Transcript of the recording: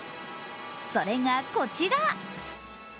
それがこちら。